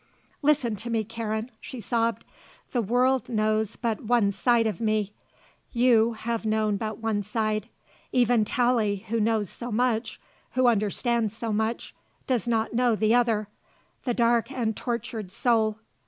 "Listen to me, Karen," she sobbed, "The world knows but one side of me you have known but one side; even Tallie, who knows so much, who understands so much does not know the other the dark and tortured soul.